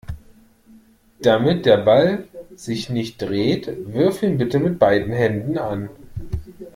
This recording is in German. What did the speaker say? Damit der Ball sich nicht dreht, wirf ihn bitte mit beiden Händen an.